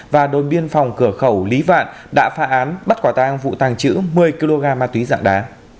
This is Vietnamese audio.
và đồn biên phòng cửa khẩu lý vạn đã phá án bắt quả tang vụ tàng trữ một mươi kg ma túy dạng đá